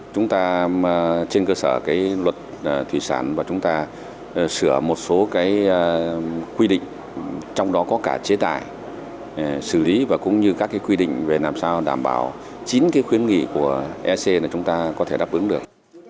chúng ta trên cơ sở cái luật thủy sản và chúng ta sửa một số cái quy định trong đó có cả chế tài xử lý và cũng như các quy định về làm sao đảm bảo chín cái khuyến nghị của ec là chúng ta có thể đáp ứng được